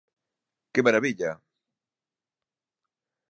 Que marabilla!